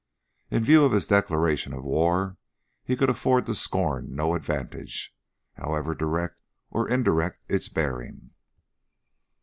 In view of his declaration of war, he could afford to scorn no advantage, however direct or indirect its bearing.